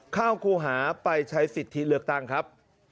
คู่หาไปใช้สิทธิเลือกตั้งครับ